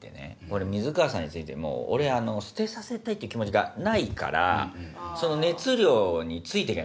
俺水川さんについても俺捨てさせたいっていう気持ちがないからその熱量について行けない。